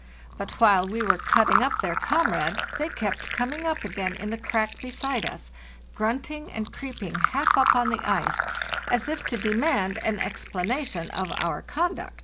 But while we were cutting up their comrade they kept coming up again in the crack beside us, grunting and creeping half up on the ice, as 1f to demand an explanation of our conduct.